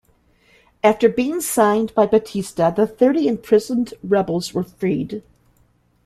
After being signed by Batista, the thirty imprisoned rebels were freed.